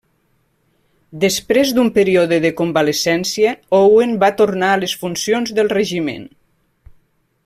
Després d'un període de convalescència, Owen va tornar a les funcions del regiment.